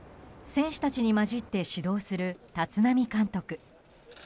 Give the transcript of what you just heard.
選手たちに交じって指導する立浪監督。